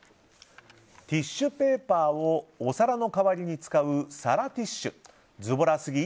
ティッシュペーパーをお皿の代わりに使う皿ティッシュズボラすぎ？